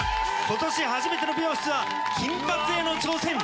今年初めての美容室は金髪への挑戦。